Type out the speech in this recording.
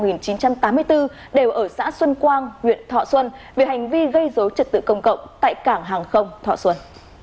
đều ở xã xuân quang huyện thọ xuân vì hành vi gây dối trật tự công cộng tại cảng hàng không thọ xuân